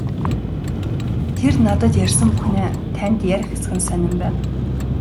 Тэр надад ярьсан бүхнээ танд ярих эсэх нь сонин байна.